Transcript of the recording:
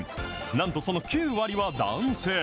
なんとその９割は男性。